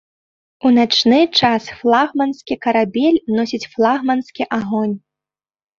У начны час флагманскі карабель носіць флагманскі агонь.